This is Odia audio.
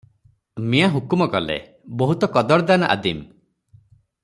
ମିଆଁ ହୁକୁମ କଲେ, "ବହୁତ କଦରଦାନ୍ ଆଦିମ୍ ।